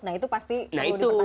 nah itu pasti perlu dipertanyakan